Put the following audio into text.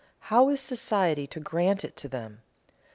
How is society to grant it to them?